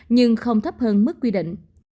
nhưng không thấp hơn mức quy định